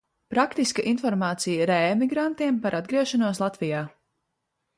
Praktiska informācija reemigrantiem par atgriešanos Latvijā.